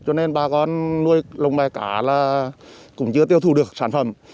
cho nên bà con nuôi lồng bè cá là cũng chưa tiêu thụ được sản phẩm